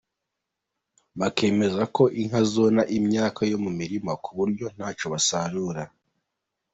Bakemeza ko inka zona imyaka yo mu mirima ku buryo ntacyo basarura.